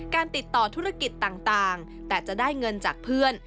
ติดต่อธุรกิจต่างแต่จะได้เงินจากเพื่อน